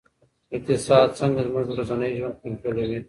اقتصاد څنګه زموږ ورځنی ژوند کنټرولوي؟